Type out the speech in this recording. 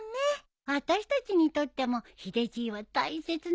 あたしたちにとってもヒデじいは大切な人だもん。